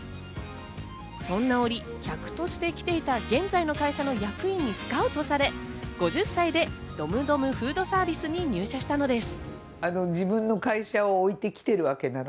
そんな折、客として来ていた現在の会社の役員にスカウトされ、５０歳でドムドムフードサービスに入社したのです。